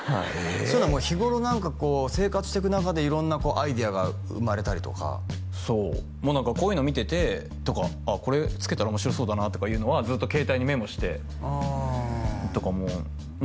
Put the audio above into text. そういうのは日頃何かこう生活していく中で色んなこうアイデアが生まれたりとかそうもう何かこういうの見ててとかあっこれつけたら面白そうだなとかいうのはずっと携帯にメモしてとかもあっま